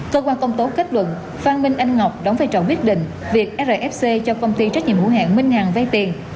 cơ quan công tố kết luận phan minh anh ngọc đóng vai trò quyết định việc rfc cho công ty trách nhiệm hữu hạng minh hàng vay tiền